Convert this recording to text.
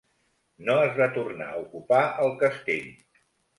No es va tornar a ocupar el castell.